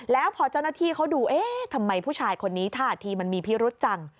แล้วพอเจ้าหน้าที่เขาดูเอ๊ะทำไมผู้ชายคนนี้ท่าทีมันมีพิรุษจัง